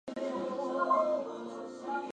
She throws Dimitri into his coffin.